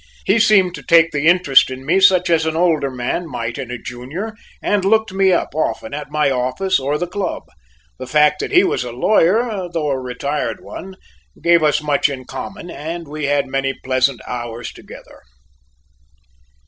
He seemed to take the interest in me such as an older man might in a junior and looked me up often at my office or the club. The fact that he was a lawyer, though a retired one, gave us much in common, and we had many pleasant hours together.